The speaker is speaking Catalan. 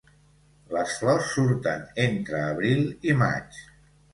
Les flors surten entre abril i maig.